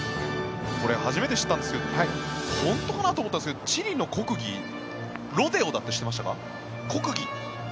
これは初めて知ったんですが本当かなと思ったんですがチリの国技、ロデオだって知ってましたか？